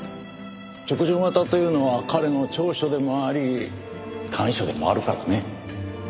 直情型というのは彼の長所でもあり短所でもあるからね。